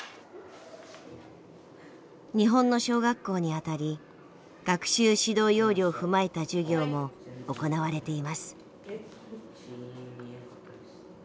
日本の小学校にあたり学習指導要領を踏まえた授業も行われています。